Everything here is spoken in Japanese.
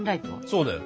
そうだよ。